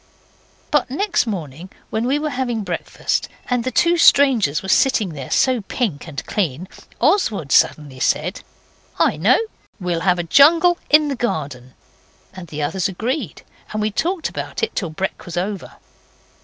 But next morning when we were having breakfast, and the two strangers were sitting there so pink and clean, Oswald suddenly said 'I know; we'll have a jungle in the garden.' And the others agreed, and we talked about it till brek was over.